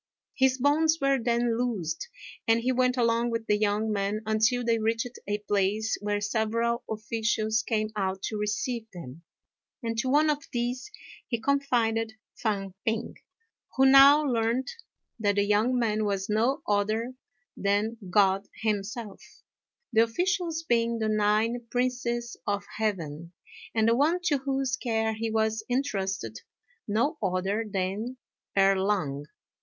His bonds were then loosed, and he went along with the young man until they reached a place where several officials came out to receive them; and to one of these he confided Fang p'ing, who now learnt that the young man was no other than God himself, the officials being the nine princes of heaven, and the one to whose care he was entrusted no other than Erh Lang.